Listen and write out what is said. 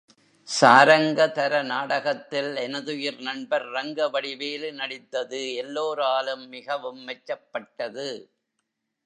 சாரங்கதர நாடகத்தில் எனதுயிர் நண்பர் ரங்கவடிவேலு நடித்தது எல்லோராலும் மிகவும் மெச்சப்பட்டது.